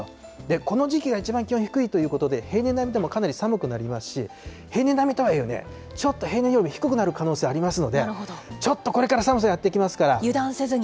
この時期がいちばん気温が低いということで、平年並みともかなり寒くなりますし、平年並みとはいえね、ちょっと平年より低くなるありますので、ちょっとこれから油断せずに。